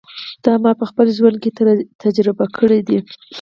دا ما په خپل ژوند کې تجربه کړې ده.